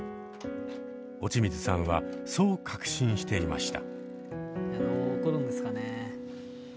落水さんはそう確信していました。